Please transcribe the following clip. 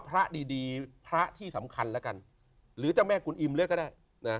พระที่ที่สำคัญแล้วกันหรือจ้าแม่กูอิ่มเบื้อก็ได้เดี๋ยวเรา